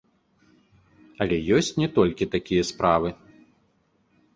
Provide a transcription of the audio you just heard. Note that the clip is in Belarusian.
Але ёсць не толькі такія справы.